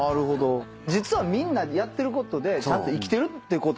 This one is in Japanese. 実はみんなやってることでちゃんと生きてるってことですね。